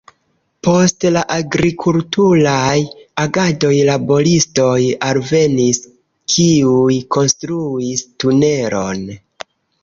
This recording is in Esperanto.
Post la agrikulturaj agadoj laboristoj alvenis, kiuj konstruis tunelon.